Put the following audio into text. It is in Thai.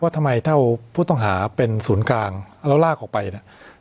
ทำไมถ้าผู้ต้องหาเป็นศูนย์กลางแล้วลากออกไปเนี่ย